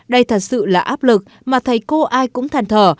đây thật sự là áp lực mà thầy cô ai cũng thàn thở